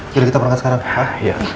kirim kita perangkat sekarang pa